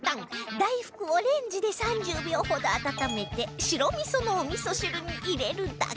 大福をレンジで３０秒ほど温めて白味噌のお味噌汁に入れるだけ